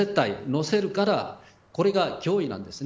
載せるからこれが脅威なんです。